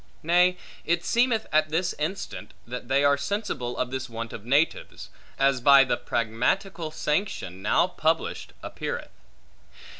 Nay, it seemeth at this instant they are sensible, of this want of natives; as by the Pragmatical Sanction, now published, appeareth.